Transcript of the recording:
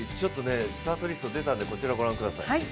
スタートリスト、出たんで、御覧ください。